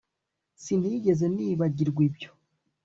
Sinigeze nibagirwa ibyo